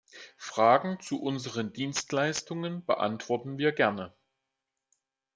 Fragen zu unseren Dienstleistungen beantworten wir gerne.